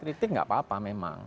kritik nggak apa apa memang